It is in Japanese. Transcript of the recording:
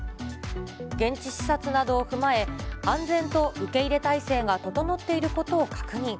現地視察などを踏まえ、安全と受け入れ体制が整っていることを確認。